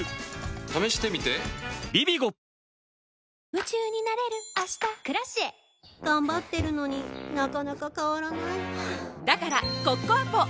夢中になれる明日「Ｋｒａｃｉｅ」頑張ってるのになかなか変わらないはぁだからコッコアポ！